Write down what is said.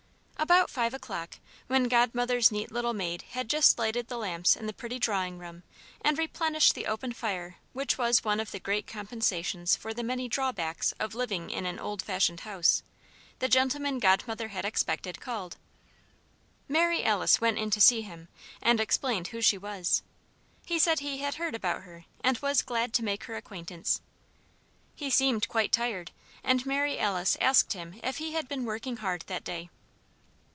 About five o'clock, when Godmother's neat little maid had just lighted the lamps in the pretty drawing room and replenished the open fire which was one of the great compensations for the many drawbacks of living in an old fashioned house, the gentleman Godmother had expected called. Mary Alice went in to see him, and explained who she was. He said he had heard about her and was glad to make her acquaintance. He seemed quite tired, and Mary Alice asked him if he had been working hard that day.